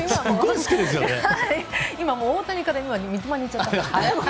今、大谷から三笘にいっちゃった。